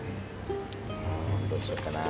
どうしようかな。